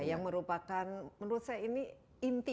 yang merupakan menurut saya ini inti dari negara